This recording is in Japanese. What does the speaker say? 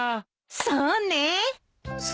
そうね。